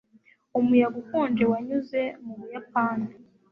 Umuyaga ukonje wanyuze mu Buyapani